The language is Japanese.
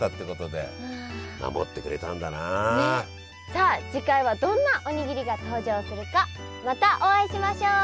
さあ次回はどんなおにぎりが登場するかまたお会いしましょう。